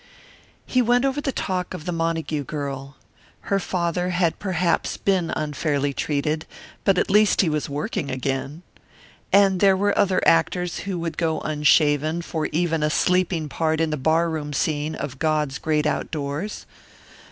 He went over the talk of the Montague girl. Her father had perhaps been unfairly treated, but at least he was working again. And there were other actors who would go unshaven for even a sleeping part in the bar room scene of God's Great Outdoors.